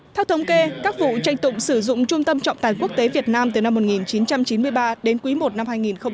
theo thống kê các vụ tranh tụng sử dụng trung tâm trọng tài quốc tế việt nam từ năm một nghìn chín trăm chín mươi ba đến quý i năm hai nghìn hai mươi